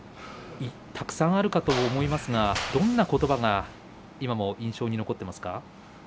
たくさんあるかと思いますが、どんなことばが今も印象に残っていますか？